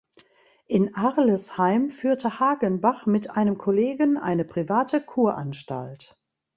In Arlesheim führte Hagenbach mit einem Kollegen eine private Kuranstalt.